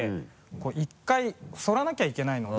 １回そらなきゃいけないので。